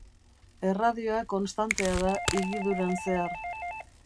Erradioa konstantea da higiduran zehar.